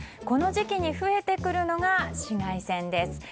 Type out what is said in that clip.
この時期に増えてくるのが紫外線です。